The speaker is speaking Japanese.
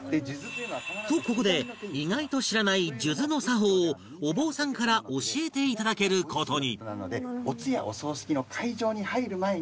とここで意外と知らない数珠の作法をお坊さんから教えて頂ける事に